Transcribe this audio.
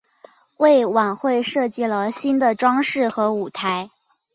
为晚会设计了新的装饰和舞台。